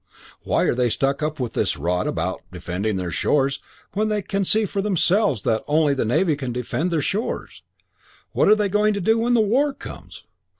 Why are they stuck up with this rot about defending their shores when they can see for themselves that only the Navy can defend their shores? What are they going to do when the war comes?